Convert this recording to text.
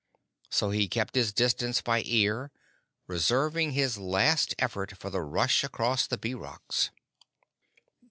So he kept his distance by ear, reserving his last effort for the rush across the Bee Rocks.